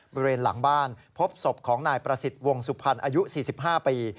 บริเวณหลังบ้านพบศพของนายประสิทธิ์วงสุพรรณอายุ๔๕ปี